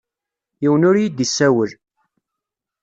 Yiwen ur iyi-d-issawel.